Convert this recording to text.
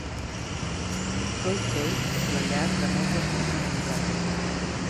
Goychay és la llar de moltes nacionalitats.